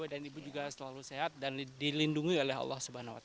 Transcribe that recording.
dan ibu juga selalu sehat dan dilindungi oleh allah swt